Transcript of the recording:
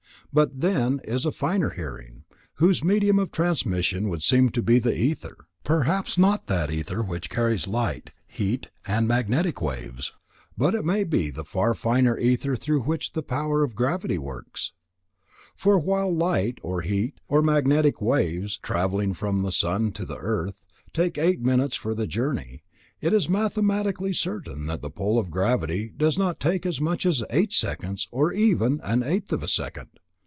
But then is a finer hearing, whose medium of transmission would seem to be the ether; perhaps no that ether which carries light, heat and magnetic waves, but, it may be, the far finer ether through which the power of gravity works. For, while light or heat or magnetic waves, travelling from the sun to the earth, take eight minutes for the journey, it is mathematically certain that the pull of gravitation does not take as much as eight seconds, or even the eighth of a second.